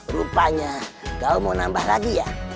rupanya kau mau nambah lagi ya